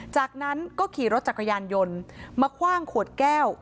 จากนั้นก็ขี่รถจักรยานยนต์มาคว่างขวดแก้ว